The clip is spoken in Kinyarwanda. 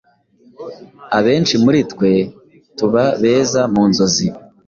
Abenshi muri twe tuba beza mu nzozi,